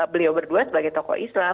beliau berdua sebagai tokoh islam